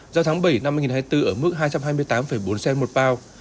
giao tháng bảy năm hai nghìn hai mươi bốn ở mức hai trăm hai mươi tám bốn cent một bao